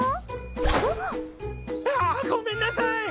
あっ！わごめんなさい！